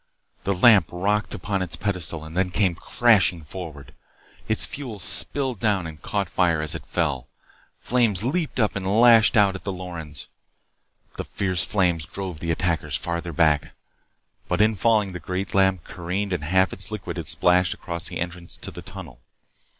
The lamp rocked upon its pedestal and then came crashing forward. Its fuel spilled down and caught fire as it fell. Flames leaped up and lashed out at the Lorens. The fierce flames drove the attackers farther back. But in falling, the great lamp careened and half of its liquid had splashed across the entrance to the tunnel.